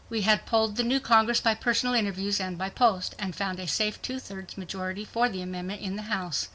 We had polled the new Congress by personal interviews and by post, and found a safe two thirds majority for the amendment in the House.